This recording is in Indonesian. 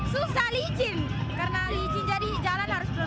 susah licin karena licin jadi jalan harus pelan pelan